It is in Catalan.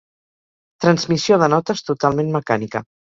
Transmissió de notes totalment mecànica.